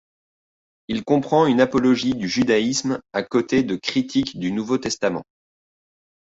Il comprend une apologie du judaïsme, à côté de critiques du Nouveau Testament.